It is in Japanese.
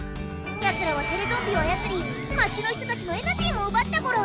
ヤツらはテレゾンビをあやつり町の人たちのエナジーもうばったゴロ。